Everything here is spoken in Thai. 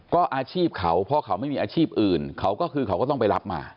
ก็อาชีพเขาเพราะเขาไม่มีอาชีพอื่นเขาก็คือเขาก็ต้องไปรับมา